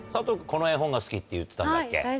この絵本が好きって言ってたんだっけ？